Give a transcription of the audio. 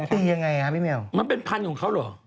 ตีอย่างไรพี่เมลมันเป็นพันของเขาหรือ